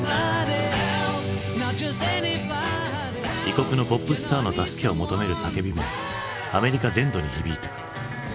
異国のポップスターの助けを求める叫びもアメリカ全土に響いた。